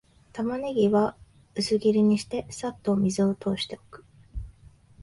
タマネギは薄切りにして、さっと水を通しておく